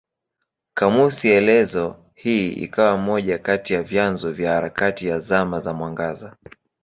Kamusi elezo hii ikawa moja kati ya vyanzo vya harakati ya Zama za Mwangaza.